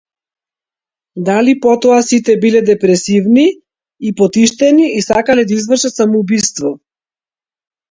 Дали потоа сите биле депресивни и потиштени и сакале да извршат самоубиство?